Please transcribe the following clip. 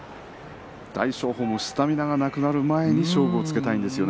大翔鵬もスタミナが切れる前に勝負つけたいですよね。